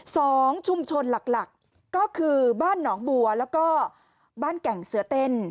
สองชุมชนหลักหลักก็คือบ้านหนองบัวแล้วก็บ้านแก่งเสือเต้น